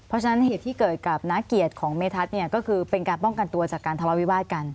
เพราะฉะนั้นเหตุที่เกิดกับน้าเกียรติของเมทัศน์เนี่ยก็คือเป็นการป้องกันตัวจากการทะเลาวิวาสกัน